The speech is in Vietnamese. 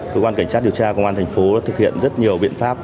cơ quan cảnh sát điều tra công an thành phố đã thực hiện rất nhiều biện pháp